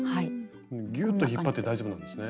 ギューッと引っ張って大丈夫なんですね。